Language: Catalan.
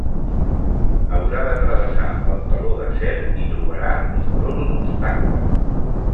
Haurà de travessar el teló d'acer i trobarà nombrosos obstacles.